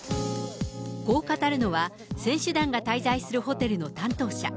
こう語るのは、選手団が滞在するホテルの担当者。